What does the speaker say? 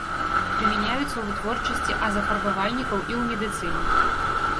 Прымяняюцца ў вытворчасці азафарбавальнікаў і ў медыцыне.